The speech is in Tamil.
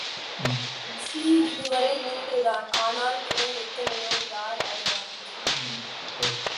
சி இதுவரை மூன்றுதான், ஆனால் இனி எத்தனையோ, யார் அறிவார்?